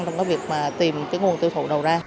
trong việc tìm nguồn tiêu thụ